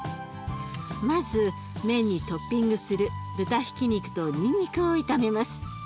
まず麺にトッピングする豚ひき肉とにんにくを炒めます。